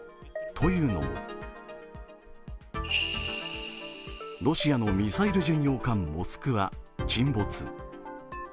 というのもロシアのミサイル巡洋艦「モスクワ」沈没。